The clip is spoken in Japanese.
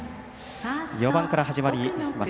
４番から始まります。